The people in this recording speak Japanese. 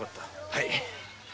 はい。